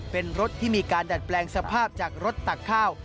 เป็นรถที่มีการดัดแปลงสภาพจากรถตักข้าว